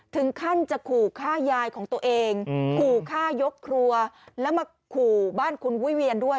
ถึงขั้นจะขู่ฆ่ายายของตัวเองขู่ฆ่ายกครัวแล้วมาขู่บ้านคุณวิเวียนด้วย